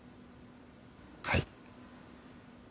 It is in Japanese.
はい。